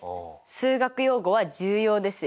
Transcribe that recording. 数学用語は重要ですよ。